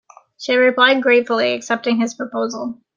She had replied, gratefully accepting his proposal.